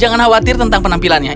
jangan khawatir tentang penampilannya